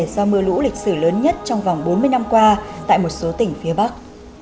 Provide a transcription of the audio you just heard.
do mưa lũ lịch sử lớn nhất trong vòng bốn mươi năm qua tại một số tỉnh phía bắc